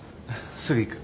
すぐ行く。